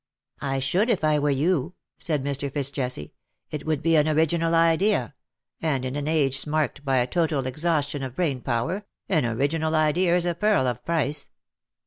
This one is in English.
^'" I should if I were you/' said Mr. Fitz Jesse. '^ It would be an original idea — and in an age marked by a total exhaustion of brain power, an original idea is a pearl of price.